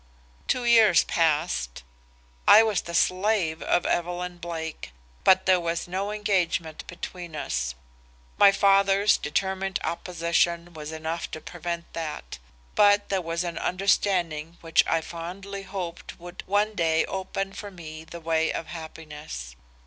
"Two years passed; I was the slave of Evelyn Blake, but there was no engagement between us. My father's determined opposition was enough to prevent that. But there was an understanding which I fondly hoped would one day open for me the way of happiness.